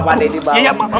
makasih pakde dibawah